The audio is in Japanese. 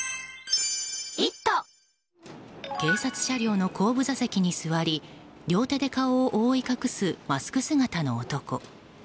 警察車両の後部座席に座り両手で顔を覆い隠すマスク姿の男。